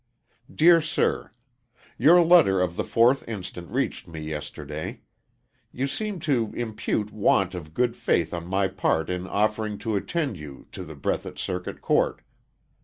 Dear Sir: Your letter of the 4th inst. reached me yesterday. You seemed to impute want of good faith on my part in offering to attend you to the Breathitt Circuit Court.